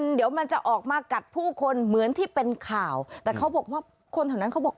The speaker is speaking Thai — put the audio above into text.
เดี๋ยวมันจะออกมากัดผู้คนเหมือนที่เป็นข่าวแต่เขาบอกว่าคนแถวนั้นเขาบอก